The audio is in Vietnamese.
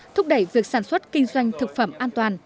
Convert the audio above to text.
thúc đẩy việc sản xuất kinh doanh thực phẩm an toàn